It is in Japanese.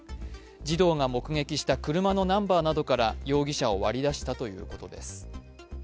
児童が目撃した車のナンバーなどから容疑者を割り出したということです。